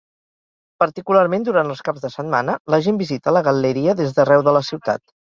Particularment durant els caps de setmana, la gent visita la Galleria des d'arreu de la ciutat.